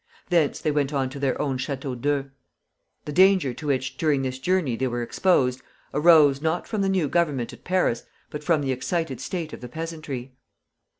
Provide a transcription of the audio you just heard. Thence they went on to their own Château d'Eu. The danger to which during this journey they were exposed arose, not from the new Government at Paris, but from the excited state of the peasantry.